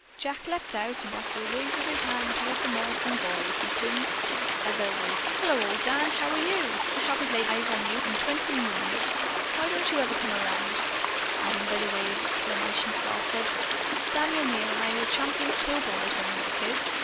Jack leaped out and, after a wave of his hand toward the Morrison boy, he turned to the other with, "Hello, old Dan, how are you? I haven't laid eyes on you in twenty moons. Why don't you ever come around?" adding by way of explanation to Alfred: "Danny O'Neil and I were champion snowballers when we were kids.